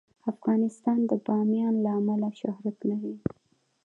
افغانستان د بامیان له امله شهرت لري.